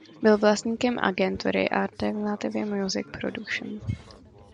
Byl vlastníkem agentury "Alternative Music Production".